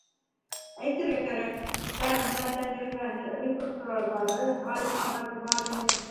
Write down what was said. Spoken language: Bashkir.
Әйтергә кәрәк: сәхнә тәжрибәһе, репертуарҙары һай булғандары бар ине.